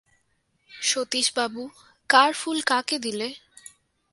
সতীশবাবু, কার ফুল কাকে দিলে?